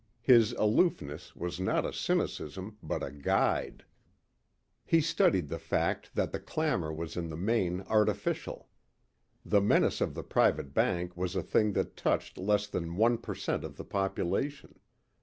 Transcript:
His aloofness was not a cynicism but a guide. He studied the fact that the clamor was in the main artificial. The menace of the private bank was a thing that touched less than one per cent of the population.